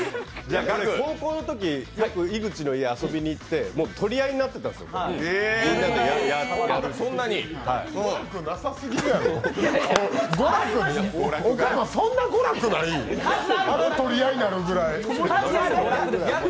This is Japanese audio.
高校のとき井口の家遊びに行って取り合いになってたんですよ、これみんなでやるって。